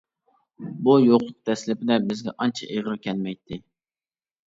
بۇ يوقلۇق دەسلىپىدە بىزگە ئانچە ئېغىر كەلمەيتتى.